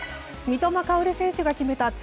三笘薫選手が決めた